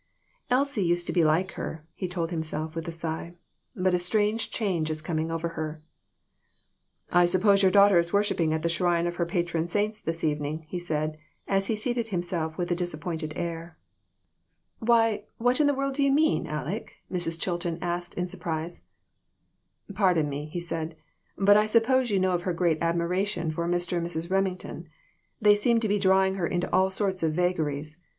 "Elsie used to be like her," he told himself, with a sigh; "but a strange change is coming over her." " I suppose your daughter is worshiping at the shrine of her patron saints this evening," he said, as he seated himself with a disappointed air. THIS WORLD, AND THE OTHER ONE. 239 "Why, what do you mean, Aleck?" Mrs. Chilton asked, in surprise. "Pardon me," he said; "but I suppose you know of her great admiration for Mr. and Mrs. Remington. They seem to be drawing her into all sorts of vagaries.